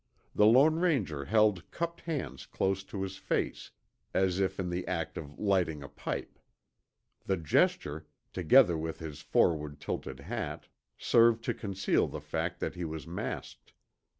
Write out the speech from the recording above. The Lone Ranger held cupped hands close to his face, as if in the act of lighting a pipe. The gesture, together with his forward tilted hat, served to conceal the fact that he was masked.